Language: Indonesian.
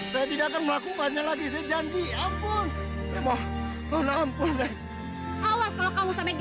saya tidak akan mengganggu neng lagi